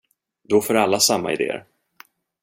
Då får alla samma idéer.